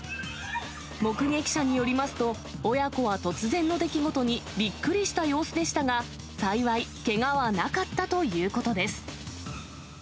目撃者によりますと、親子は突然の出来事にびっくりした様子でしたが、幸い、けがはなかったということです。